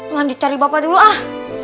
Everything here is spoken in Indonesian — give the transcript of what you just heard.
mandi cari bapak dulu ah